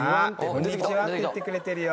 「こんにちは」って言ってくれてるよ。